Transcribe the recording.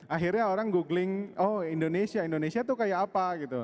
akhirnya orang googling oh indonesia indonesia tuh kayak apa gitu